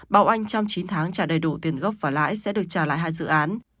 báo oanh trong chín tháng trả đầy đủ tiền gốc và lãi sẽ được trả lại hai dự án